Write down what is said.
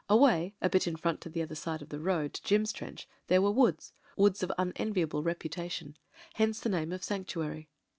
Away — a bit in front on the other side of the road to Jim's trench there were woods — ^woods of imen viable reputation. Hence the name of "Sanctuary."